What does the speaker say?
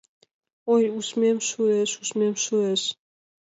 Ой, ужмем шуэш, ужмем шуэш